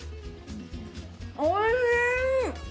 おいしい！